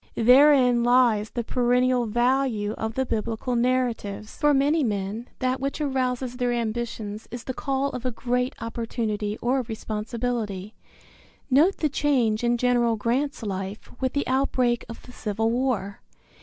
Therein lies the perennial value of the Biblical narratives. For many men that which arouses their ambitions is the call of a great opportunity or responsibility. Note the change in General Grant's life with the outbreak of the Civil War.